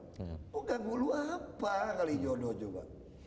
kok ganggu lo apa kali jodoh coba